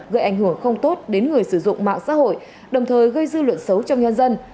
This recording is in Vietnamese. gây ảnh hưởng không tốt đến người sử dụng mạng xã hội đồng thời gây dư luận xấu trong nhân dân